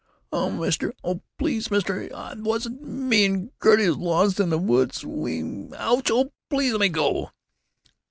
"Oh, mister, oh please, mister, I wasn't. Me and Gertie is lost in the woods—we——Ouch! Oh, please lemme go!"